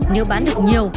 nếu bán được nhiều